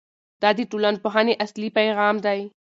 دا د ټولنپوهنې اصلي پیغام دی.